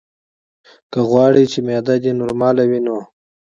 که غواړې چې معده دې نورماله وي نو: